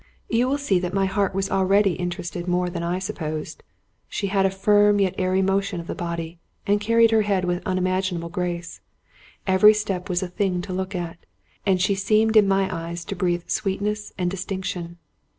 You will see that my heart was already interested more than I supposed. She had a firm yet airy motion of the body, and carried her head with unimaginable grace; every step was a thing to look at, and she seemed in my eyes to breathe sweetness and dis tinction.